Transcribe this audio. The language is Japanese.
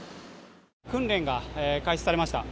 訓練が開始されました。